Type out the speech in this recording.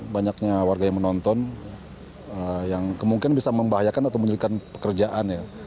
banyaknya warga yang menonton yang kemungkinan bisa membahayakan atau menyulitkan pekerjaan ya